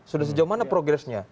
sudah sejauh mana progresnya